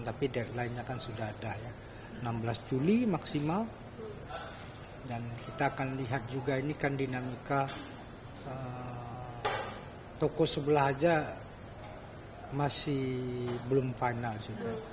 tapi deadline nya kan sudah ada ya enam belas juli maksimal dan kita akan lihat juga ini kan dinamika toko sebelah aja masih belum final juga